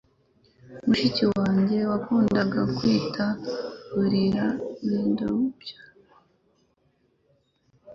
Mushiki wanjye yakundaga kwita ku buriri bwindabyo.